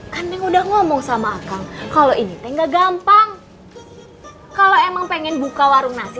kan yang udah ngomong sama akang kalau ini tengga gampang kalau emang pengen buka warung nasi